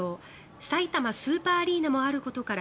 さいたまスーパーアリーナもあることから